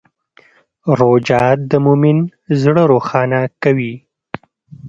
روژه د مؤمن زړه روښانه کوي.